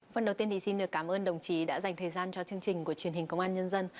phần đầu tiên thì xin được cảm ơn đồng chí đã dành thời gian cho chương trình của truyền hình công an nhân dân